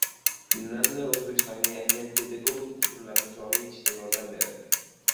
Finlandiya O‘zbekistonga yangi pedagogik usullarni joriy etishda yordam beradi